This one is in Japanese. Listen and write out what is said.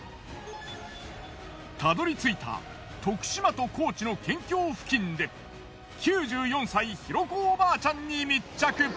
たどりついた徳島と高知の県境付近で９４歳大子おばあちゃんに密着。